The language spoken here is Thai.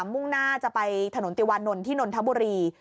มุ่งหน้าจะไปถนนติวานนท์ที่นนทบุรี